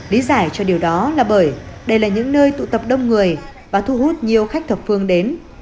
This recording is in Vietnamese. lý giải cho điều đó là bởi đây là những nơi tụ tập đông người và thu hút nhiều khách thập phương đến